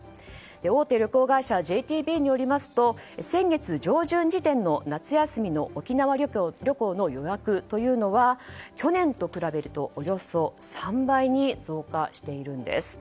大手旅行会社ＪＴＢによりますと先月上旬時点の夏休みの沖縄旅行の予約というのは去年と比べるとおよそ３倍に増加しているんです。